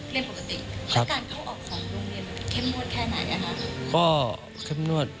เรียนปกติแล้วการเข้าออกของโรงเรียนเข้มงวดแค่ไหนอ่ะคะ